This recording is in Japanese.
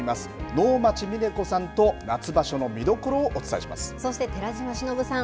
能町みね子さんと夏場所の見どころをそして寺島しのぶさん